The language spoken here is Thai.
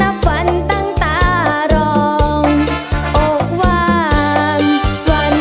แม่หรือพี่จ๋าบอกว่าจะมาขอมัน